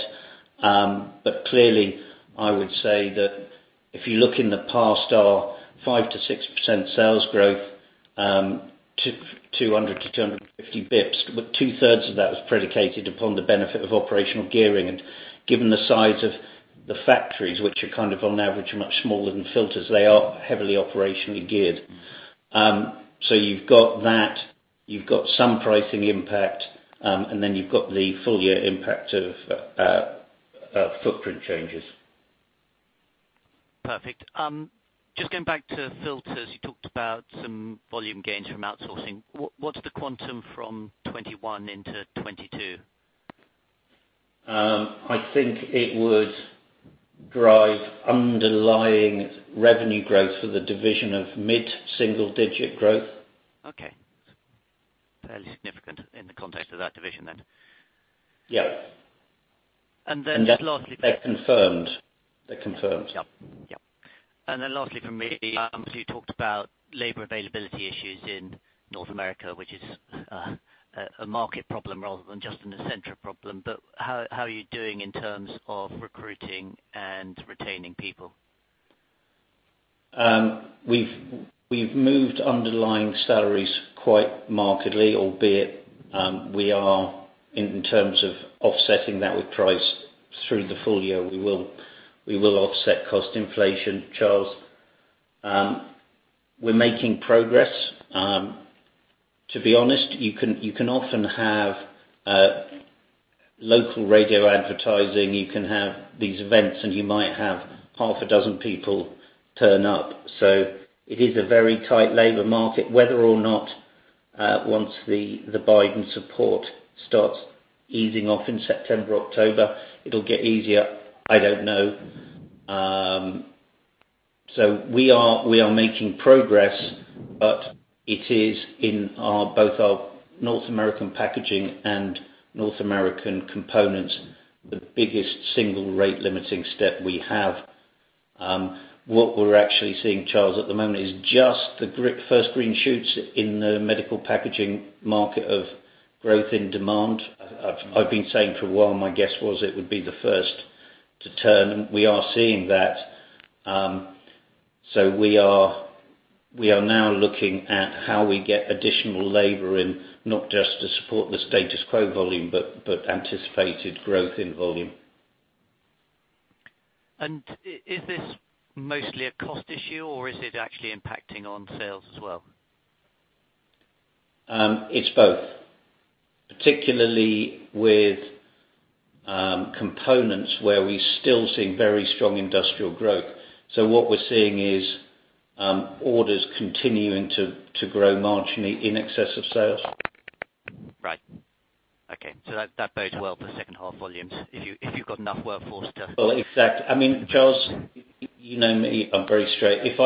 Clearly I would say that if you look in the past, our 5%-6% sales growth, 200 to 250 basis points, but two-thirds of that was predicated upon the benefit of operational gearing, and given the size of the factories, which are on average, much smaller than filters, they are heavily operationally geared. You've got that, you've got some pricing impact, and then you've got the full year impact of footprint changes. Perfect. Just going back to filters, you talked about some volume gains from outsourcing. What's the quantum from 2021 into 2022? I think it would drive underlying revenue growth for the division of mid-single digit growth. Okay. Fairly significant in the context of that division then. Yes. Just lastly. They're confirmed. Yep. Lastly from me, obviously you talked about labor availability issues in North America, which is a market problem rather than just an Essentra problem. How are you doing in terms of recruiting and retaining people? We've moved underlying salaries quite markedly, albeit, we are in terms of offsetting that with price through the full year, we will offset cost inflation, Charles. We're making progress. To be honest, you can often have local radio advertising, you can have these events, and you might have half a dozen people turn up. It is a very tight labor market. Whether or not, once the Biden support starts easing off in September, October, it'll get easier, I don't know. We are making progress, but it is in both our North American packaging and North American components, the biggest single rate limiting step we have. What we're actually seeing, Charles, at the moment, is just the first green shoots in the medical packaging market of growth in demand. I've been saying for a while, my guess was it would be the first to turn. We are seeing that. We are now looking at how we get additional labor in, not just to support the status quo volume, but anticipated growth in volume. Is this mostly a cost issue, or is it actually impacting on sales as well? It's both. Particularly with components where we still see very strong industrial growth. What we're seeing is orders continuing to grow marginally in excess of sales. Right. Okay. That bodes well for second half volumes if you've got enough workforce. Well, exactly. Charles, you know me, I am very straight. If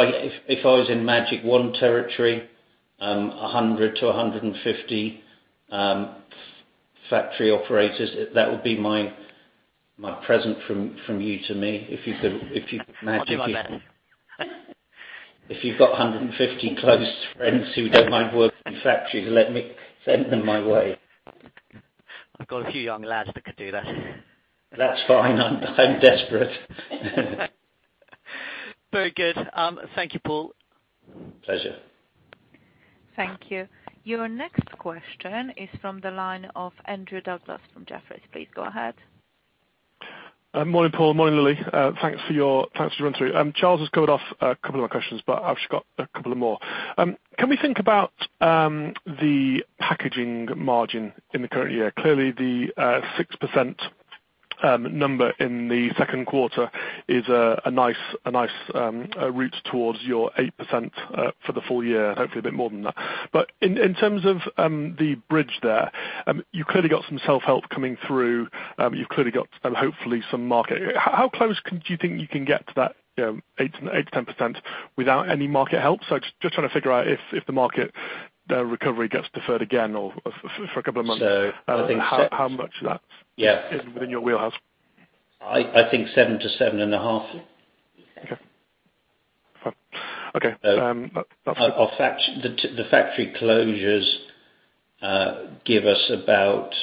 I was in magic wand territory, 100 to 150 factory operators, that would be my present from you to me, if you could magically- What do I win? If you've got 150 close friends who don't mind working in factories, send them my way. I've got a few young lads that could do that. That's fine. I'm desperate. Very good. Thank you, Paul. Pleasure. Thank you. Your next question is from the line of Andrew Douglas from Jefferies. Please go ahead. Morning, Paul. Morning, Lily. Thanks for your run through. Charles has covered off a couple of my questions. I've just got a couple of more. Can we think about the packaging margin in the current year? Clearly, the 6% number in the second quarter is a nice route towards your 8% for the full year, hopefully a bit more than that. In terms of the bridge there, you clearly got some self-help coming through. You've clearly got hopefully some market. How close do you think you can get to that 8%-10% without any market help? I'm just trying to figure out if the market recovery gets deferred again for a couple of months? How much of that? Yeah. Is within your wheelhouse? I think 7 to 7.5. Okay. The factory closures give us about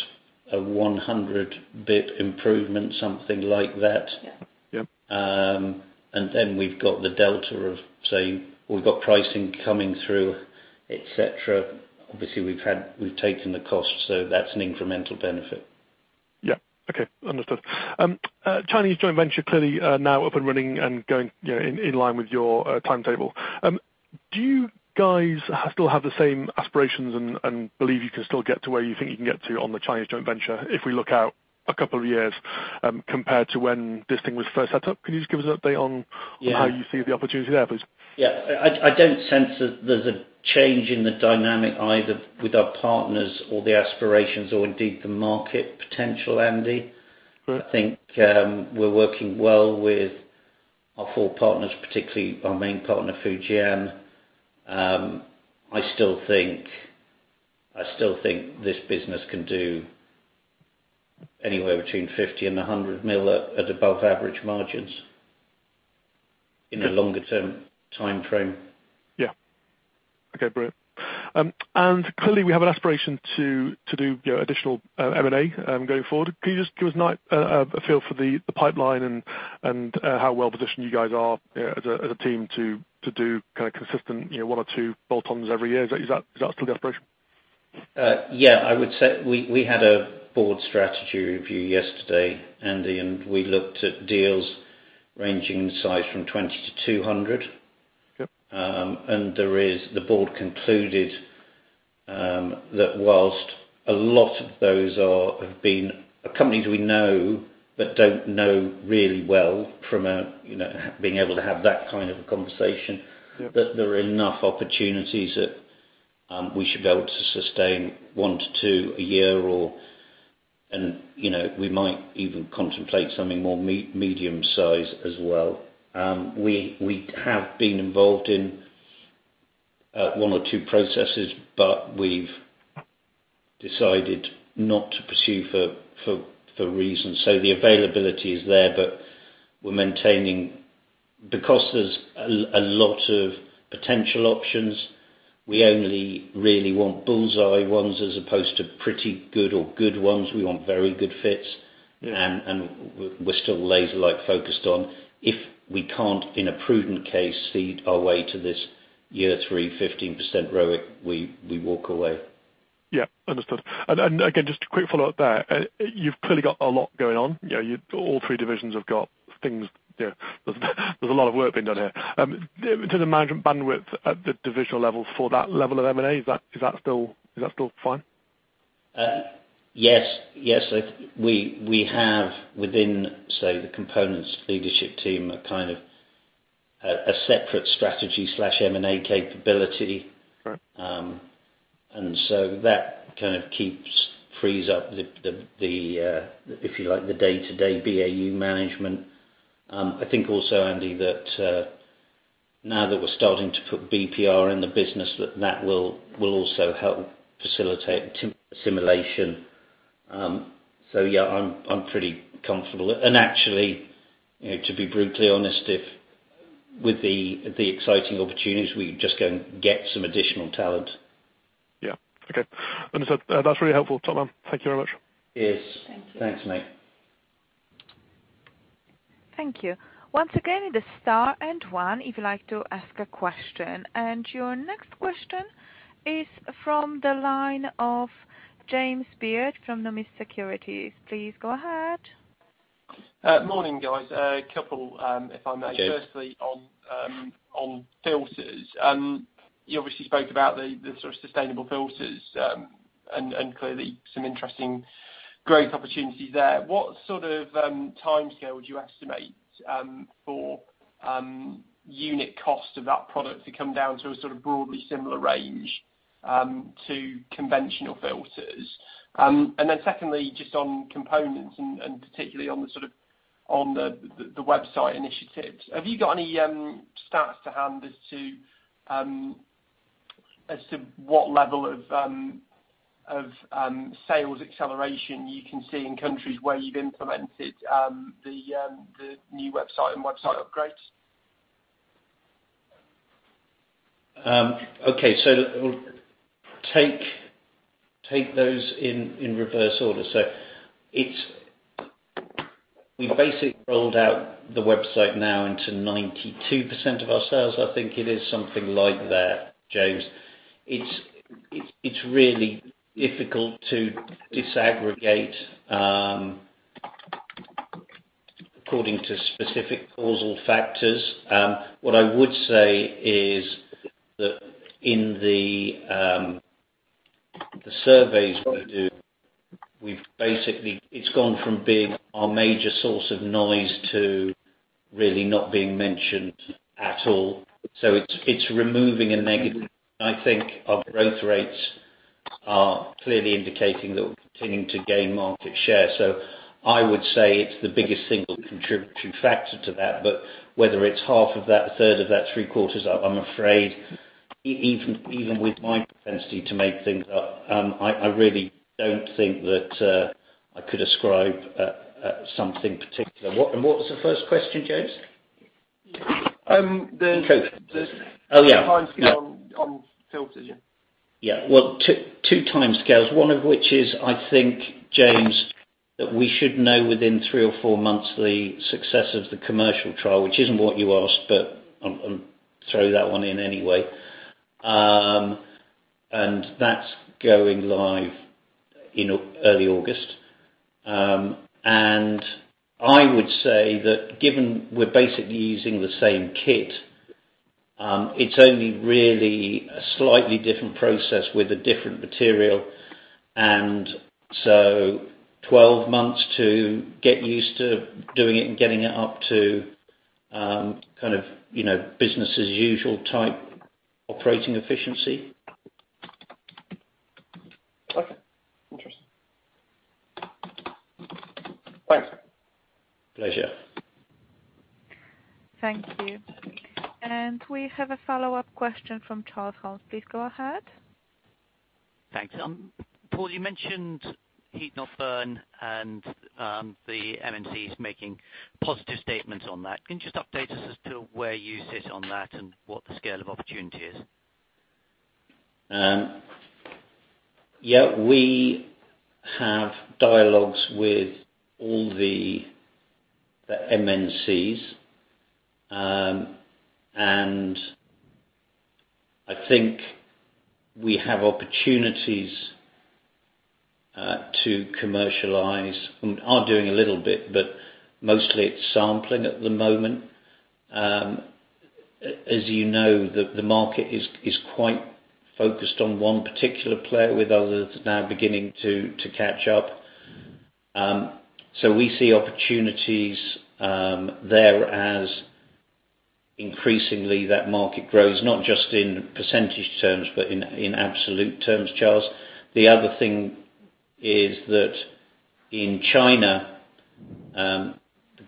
a 100 bit improvement, something like that. Yeah. Yep. Then we've got the delta of, say, we've got pricing coming through, et cetera. Obviously, we've taken the cost, so that's an incremental benefit. Yeah, okay. Understood. Chinese joint venture clearly now up and running and going in line with your timetable. Do you guys still have the same aspirations and believe you can still get to where you think you can get to on the Chinese joint venture if we look out a couple of years, compared to when this thing was first set up? Could you just give us an update on how you see the opportunity there, please? Yeah. I don't sense that there's a change in the dynamic, either with our partners or the aspirations or indeed the market potential, Andy. Right. I think we're working well with our four partners, particularly our main partner, Fujian. I still think this business can do anywhere between 50 million and 100 million at above average margins in a longer-term timeframe. Yeah. Okay, brilliant. Clearly, we have an aspiration to do additional M&A going forward. Can you just give us a feel for the pipeline and how well-positioned you guys are as a team to do consistent 1 or 2 bolt-ons every year? Is that still the aspiration? Yeah. We had a board strategy review yesterday, Andy. We looked at deals ranging in size from 20-200. Yep. The board concluded that whilst a lot of those have been companies we know but don't know really well from a being able to have that kind of a conversation, that there are enough opportunities that we should be able to sustain one to two a year. We might even contemplate something more medium-sized as well. We have been involved in one or two processes, we've decided not to pursue for reasons. The availability is there, we're maintaining because there's a lot of potential options. We only really want bullseye ones as opposed to pretty good or good ones. We want very good fits. Yeah. We're still laser-like focused on if we can't, in a prudent case, seed our way to this year 3%, 15% ROIC, we walk away. Yeah, understood. Again, just a quick follow-up there. You've clearly got a lot going on. All three divisions have got things. There's a lot of work being done here. In terms of management bandwidth at the divisional level for that level of M&A, is that still fine? Yes. We have within, say, the components leadership team, a separate strategy/M&A capability. Right. That frees up the, if you like, the day-to-day BAU management. I think also, Andrew, that now that we're starting to put BPR in the business, that will also help facilitate simulation. Yeah, I'm pretty comfortable. Actually, to be brutally honest, with the exciting opportunities, we just go and get some additional talent. Yeah. Okay. Understood. That's really helpful Forman. Thank you very much. Cheers. Thank you. Thanks, mate. Thank you. Once again, the star 1 if you'd like to ask a question. Your next question is from the line of James Beard from Numis Securities. Please go ahead. Morning, guys. A couple if I may. James. Firstly, on filters. You obviously spoke about the sustainable filters, clearly some interesting growth opportunities there. What sort of timescale would you estimate for unit cost of that product to come down to a broadly similar range to conventional filters? Secondly, just on components, particularly on the website initiatives, have you got any stats to hand as to what level of sales acceleration you can see in countries where you've implemented the new website and website upgrades? Okay. Take those in reverse order. We basically rolled out the website now into 92% of our sales. I think it is something like that, James. It's really difficult to disaggregate according to specific causal factors. What I would say is that in the surveys we do, it's gone from being our major source of noise to really not being mentioned at all. It's removing a negative. I think our growth rates are clearly indicating that we're continuing to gain market share. I would say it's the biggest single contributing factor to that. Whether it's half of that, a third of that, three quarters, I'm afraid, even with my propensity to make things up, I really don't think that I could ascribe something particular. What was the first question, James? Okay. Oh, yeah. Time scale on filters. Yeah. Yeah. Well, two timescales, one of which is, I think, James, that we should know within three or four months the success of the commercial trial, which isn't what you asked, but I'll throw that one in anyway. That's going live in early August. I would say that given we're basically using the same kit, it's only really a slightly different process with a different material, and so 12 months to get used to doing it and getting it up to business as usual type operating efficiency. Okay. Interesting. Thanks. Pleasure. Thank you. We have a follow-up question from Charles Horn. Please go ahead. Thanks. Paul, you mentioned Heat-not-burn and the MNCs making positive statements on that. Can you just update us as to where you sit on that and what the scale of opportunity is? We have dialogues with all the MNCs, and I think we have opportunities to commercialize, and are doing a little bit, but mostly it's sampling at the moment. As you know, the market is quite focused on one particular player, with others now beginning to catch up. We see opportunities there as increasingly that market grows, not just in percentage terms, but in absolute terms, Charles. The other thing is that in China, the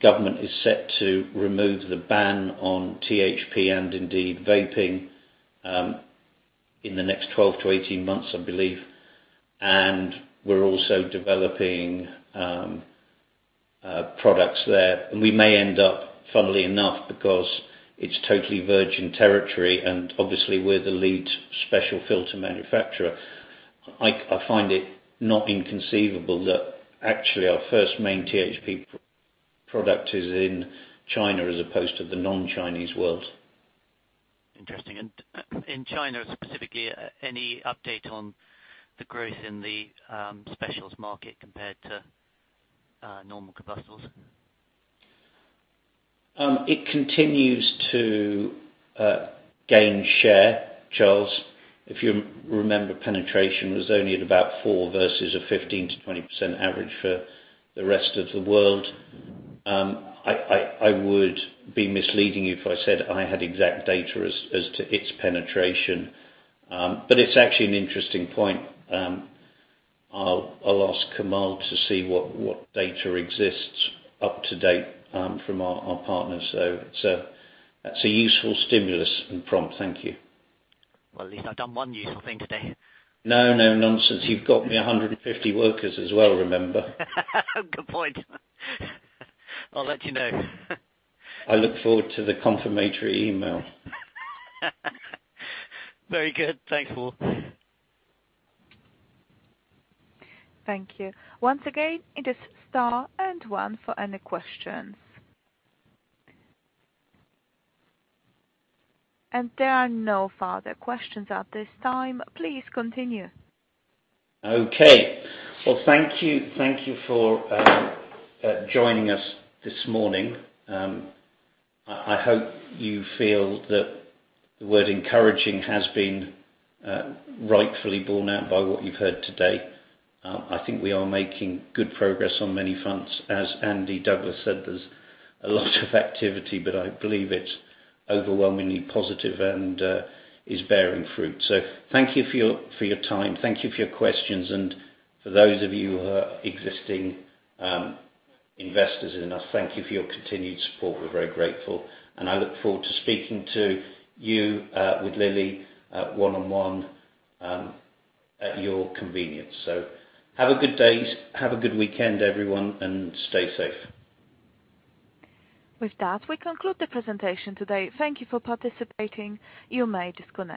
government is set to remove the ban on THP and indeed vaping in the next 12 to 18 months, I believe, and we're also developing products there. We may end up, funnily enough, because it's totally virgin territory, and obviously we're the lead special filter manufacturer, I find it not inconceivable that actually our first main THP product is in China as opposed to the non-Chinese world. Interesting. In China, specifically, any update on the growth in the specials market compared to normal combustibles? It continues to gain share, Charles. If you remember, penetration was only at about 4 versus a 15%-20% average for the rest of the world. I would be misleading you if I said I had exact data as to its penetration. It's actually an interesting point. I'll ask Kamal to see what data exists up to date from our partners. That's a useful stimulus and prompt. Thank you. Well, at least I've done one useful thing today. No, no, nonsense. You've got me 150 workers as well, remember. Good point. I'll let you know. I look forward to the confirmatory email. Very good. Thanks, Paul. Thank you. Once again, it is star and one for any questions. There are no further questions at this time. Please continue. Okay. Well, thank you for joining us this morning. I hope you feel that the word encouraging has been rightfully borne out by what you've heard today. I think we are making good progress on many fronts. As Andrew Douglas said, there's a lot of activity, but I believe it's overwhelmingly positive and is bearing fruit. Thank you for your time. Thank you for your questions, and for those of you who are existing investors in us, thank you for your continued support. We're very grateful, and I look forward to speaking to you, with Lily, one-on-one, at your convenience. Have a good day, have a good weekend, everyone, and stay safe. We conclude the presentation today. Thank you for participating. You may disconnect.